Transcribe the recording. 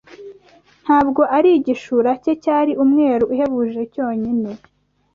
Ntabwo ari igishura cye cyari umweru uhebuje cyonyine